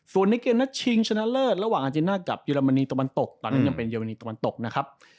ส่วนในเกมนัดชิงชนะเลิศระหว่างอาเจน่ากับเยอรมนีตะวันตกตอนนั้นยังเป็นเรมนีตะวันตกนะครับ